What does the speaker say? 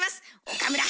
岡村